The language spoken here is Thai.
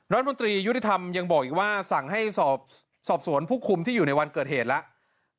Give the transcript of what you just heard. รัฐมนตรียุติธรรมยังบอกอีกว่าสั่งให้สอบสวนผู้คุมที่อยู่ในวันเกิดเหตุแล้ว